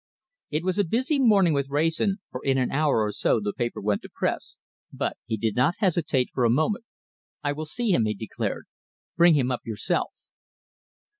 It was a busy morning with Wrayson, for in an hour or so the paper went to press, but he did not hesitate for a moment. "I will see him," he declared. "Bring him up yourself."